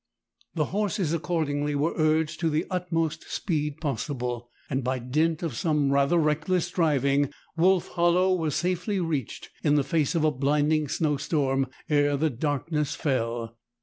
The horses accordingly were urged to the utmost speed possible, and, by dint of some rather reckless driving, Wolf Hollow was safely reached in the face of a blinding snowstorm ere the darkness fell.